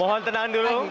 mohon tenang dulu